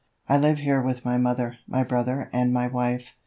I live here with my mother, my brother and my wife.